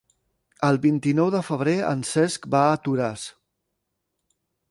El vint-i-nou de febrer en Cesc va a Toràs.